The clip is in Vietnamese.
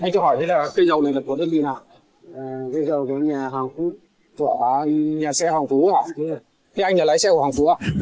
chạy vào văn phòng